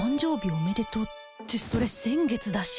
おめでとうってそれ先月だし